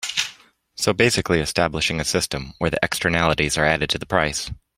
So basically establishing a system where the externalities are added to the price.